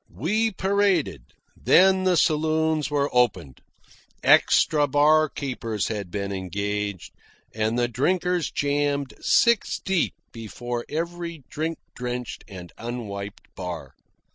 We paraded. Then the saloons were opened. Extra barkeepers had been engaged, and the drinkers jammed six deep before every drink drenched and unwiped bar.